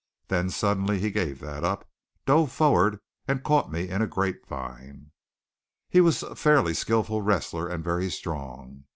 Then suddenly he gave that up, dove forward, and caught me in a grapevine. He was a fairly skilful wrestler, and very strong.